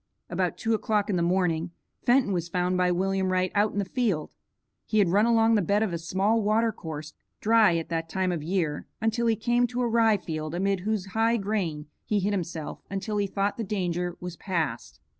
About two o'clock in the morning, Fenton was found by William Wright out in the field. He had run along the bed of a small water course, dry at that time of year, until he came to a rye field amid whose high grain he hid himself until he thought the danger was past.